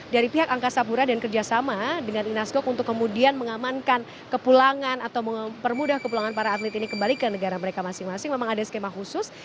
dari pihak angkasa pura dan kerjasama dengan inas gok untuk kemudian mengamankan kepulangan atau mempermudah kepulangan para atlet ini kembali ke negara mereka masing masing memang ada skema khusus